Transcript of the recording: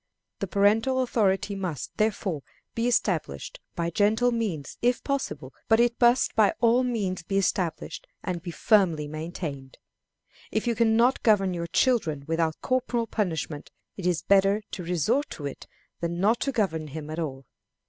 The parental authority must, therefore, be established by gentle means, if possible but it must by all means be established, and be firmly maintained. If you can not govern your child without corporal punishment, it is better to resort to it than not to govern him at all.